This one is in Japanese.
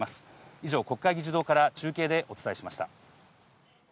以上、国会議事堂から中継でお伝えしました。